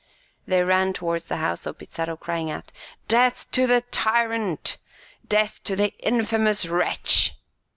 They ran towards the house of Pizarro, crying out, "Death to the tyrant! death to the infamous wretch!"